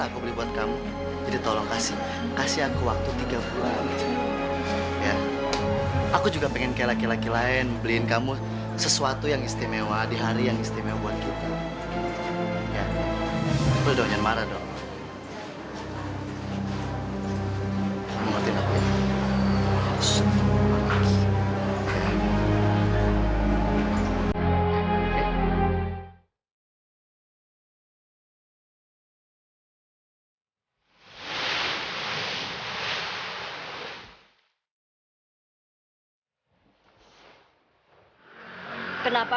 kamu juga gak akan lupa